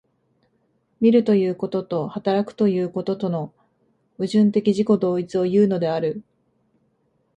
見るということと働くということとの矛盾的自己同一をいうのである。